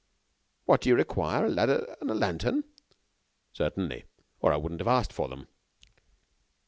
"What! do you require a ladder and a lantern?" "Certainly, or I shouldn't have asked for them."